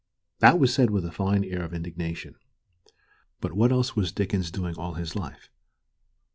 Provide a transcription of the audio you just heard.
That was said with a fine air of indignation. But what else was Dickens doing all his life?